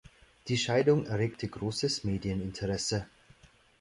Die Scheidung erregte großes Medieninteresse.